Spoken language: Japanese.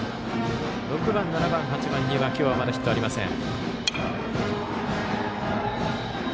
６番、７番、８番には今日はまだヒットがありません。